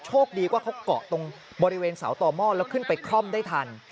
โชคดีว่าเขาเกาะตรงบริเวณเสาต่อหม้อแล้วขึ้นไปคล่อมได้ทัน